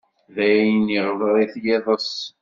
D ayen, iɣder-it yiḍes.